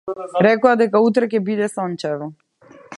Рекоа дека утре ќе биде сончево.